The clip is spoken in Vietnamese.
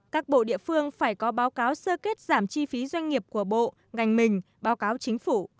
các bộ địa phương phải có báo cáo sơ kết giảm chi phí doanh nghiệp của bộ ngành mình báo cáo chính phủ